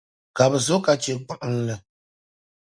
Ka bɛ zo ka chɛ gbuɣinli.